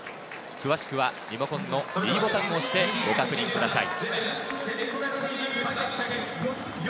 詳しくはリモコンのｄボタンを押してご確認ください。